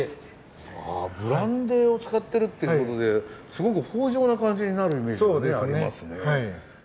ブランデーを使ってるっていうことですごく豊じょうな感じになるイメージがありますね。